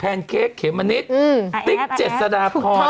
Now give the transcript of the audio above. เค้กเขมมะนิดติ๊กเจษฎาพร